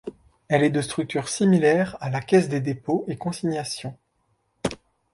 Elle est de structure similaire à la caisse des dépôts et consignations.